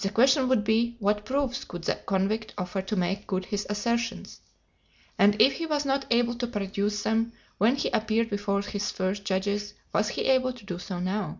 The question would be, what proofs could the convict offer to make good his assertions? And if he was not able to produce them when he appeared before his first judges, was he able to do so now?